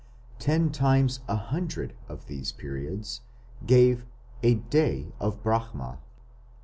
Ten times a hundred of these periods gave a "Day of Brahma".